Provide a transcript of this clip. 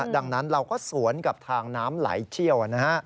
ดังนั้นเราก็สวนกับทางน้ำไหลเชี่ยว